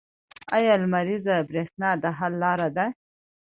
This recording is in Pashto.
آیا لمریزه بریښنا د حل لاره ده؟